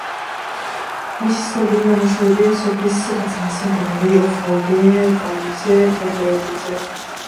მისი ცნობილი ნამუშევრებია: „სოფლის კანცელარიასთან დაბალი ღობე“, „კალოზე“, „გზაჯვარედინზე“.